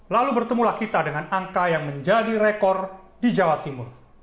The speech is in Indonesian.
lalu bertemulah kita dengan angka yang menjadi rekor di jawa timur